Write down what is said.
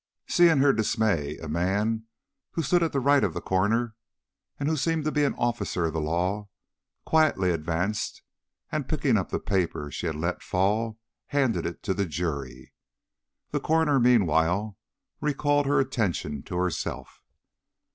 Seeing her dismay, a man who stood at the right of the coroner, and who seemed to be an officer of the law, quietly advanced, and picking up the paper she had let fall, handed it to the jury. The coroner meanwhile recalled her attention to herself.